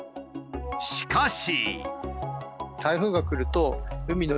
しかし。